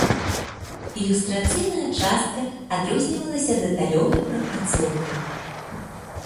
Ілюстрацыйная частка адрознівалася дэталёвай прапрацоўкай.